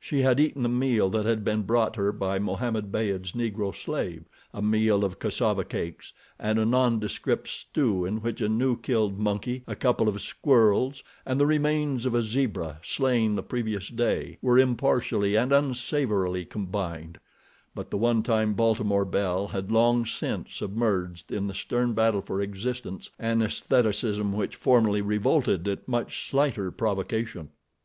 She had eaten the meal that had been brought her by Mohammed Beyd's Negro slave—a meal of cassava cakes and a nondescript stew in which a new killed monkey, a couple of squirrels and the remains of a zebra, slain the previous day, were impartially and unsavorily combined; but the one time Baltimore belle had long since submerged in the stern battle for existence, an estheticism which formerly revolted at much slighter provocation.